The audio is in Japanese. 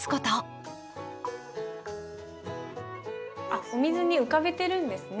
あっお水に浮かべてるんですね。